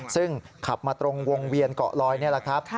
ซึ่งขับมาตรงวงเวียนเกาะลอยนี่แหละครับ